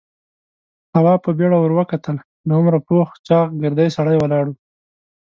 تواب په بيړه ور وکتل. له عمره پوخ چاغ، ګردی سړی ولاړ و.